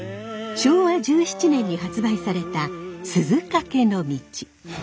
昭和１７年に発売された「鈴懸の径」。